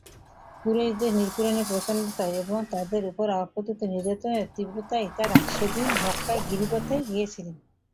কুরাইশের নিপীড়নের প্রচণ্ডতায় এবং তাদের উপর আপতিত নির্যাতনের তীব্রতায়ই তারা সেদিন মক্কার গিরিপথে গিয়েছিলেন।